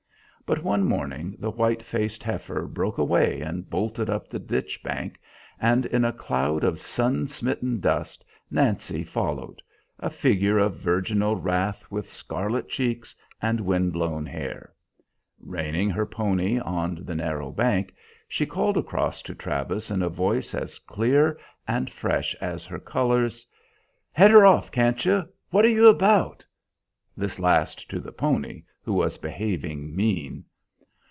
But one morning the white faced heifer broke away and bolted up the ditch bank, and in a cloud of sun smitten dust Nancy followed, a figure of virginal wrath with scarlet cheeks and wind blown hair. Reining her pony on the narrow bank, she called across to Travis in a voice as clear and fresh as her colors: "Head her off, can't you? What are you about!" This last to the pony, who was behaving "mean."